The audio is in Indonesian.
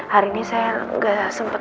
hari ini saya gak sempet